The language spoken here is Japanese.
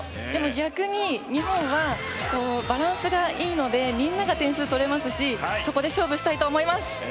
逆に日本はバランスが良いのでみんなが点数を取れますしそこで勝負したいと思います。